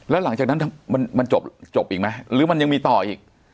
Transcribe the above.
แล้วหลังจากนั้นมันจบอีกไหมหรือมันยังมีต่ออีก